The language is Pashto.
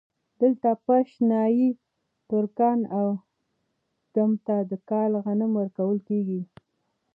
دلته پش ، نايي ، ترکاڼ او ډم ته د کال غنم ورکول کېږي